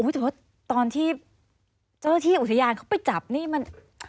แต่เพราะว่าตอนที่เจ้าที่อุทยานเขาไปจับนี่มัน